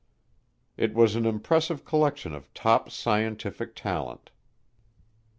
It was an impressive collection of top scientific talent.